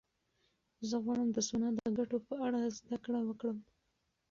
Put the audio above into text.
زه غواړم د سونا د ګټو په اړه زده کړه وکړم.